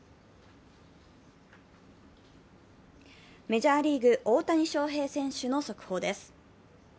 メジャーリーグ・大谷翔平選手の速報です。